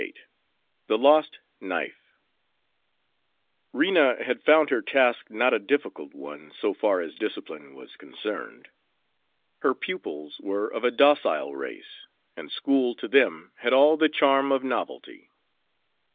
XXVIII THE LOST KNIFE Rena had found her task not a difficult one so far as discipline was concerned. Her pupils were of a docile race, and school to them had all the charm of novelty.